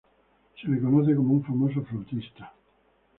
Se le conoce como un famoso flautista.